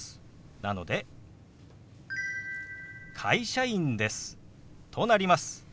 なので「会社員です」となります。